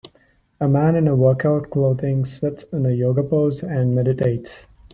A man in a workout clothing sits in a yoga pose and meditates.